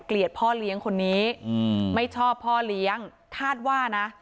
พ่อเลี้ยงคนนี้ไม่ชอบพ่อเลี้ยงคาดว่านะ